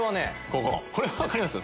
こここれは分かりますよ